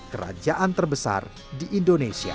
kerajaan terbesar di indonesia